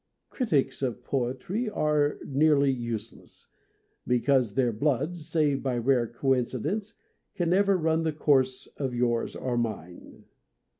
Critics of poetry are nearly useless, because their blood, save by rare coincidence, can never run the course of yours or mine.